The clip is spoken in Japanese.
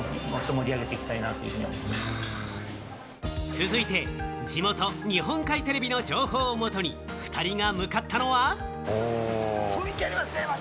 続いて、地元・日本海テレビの情報をもとに２人が向かったのは。